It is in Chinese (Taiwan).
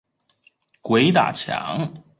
鬼打牆